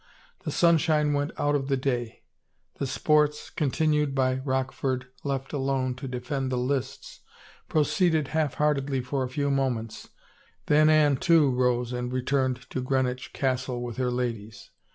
The sunshine went out of the day; the sports, continued by Rochford, left alone to defend the lists, proceeded half heartedly for a few moments, then Anne, too, rose and returned to Green wich Castle with her ladies.